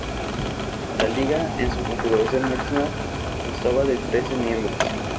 La Liga en su configuración máxima constaba de trece miembros.